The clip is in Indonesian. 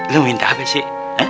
lo minta apa sih